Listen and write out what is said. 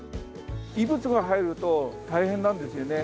異物が入ると大変なんですよね。